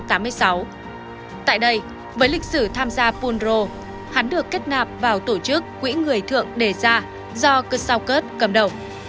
tại đây với lịch sử tham gia phú đô hắn được kết nạp vào tổ chức quỹ người thượng đề gia do cơ sao cớt cầm đầu